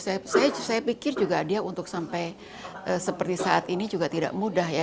saya pikir juga dia untuk sampai seperti saat ini juga tidak mudah ya